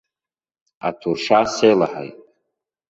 Аҭурша сеилаҳаит.